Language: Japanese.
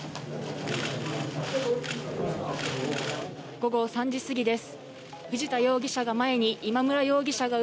午後３時過ぎです。